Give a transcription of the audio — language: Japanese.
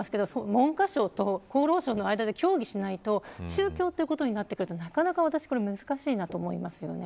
文科省と厚労省の間で協議しないと宗教ということになってくるとなかなか難しいと思いますよね。